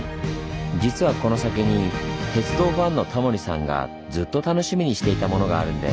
実はこの先に鉄道ファンのタモリさんがずっと楽しみにしていたものがあるんです。